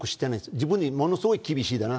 自分にものすごい厳しいな。